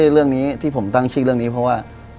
เรื่องนี้ที่ผมตั้งชื่อเรื่องนี้เพราะว่า